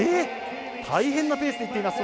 大変なペースでいってます。